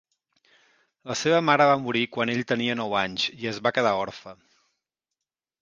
La seva mare va morir quan ell tenia nou anys i es va quedar orfe.